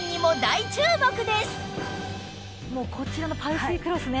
もうこちらのパルスイクロスね。